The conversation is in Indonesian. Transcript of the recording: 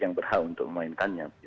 yang berharga untuk memainkannya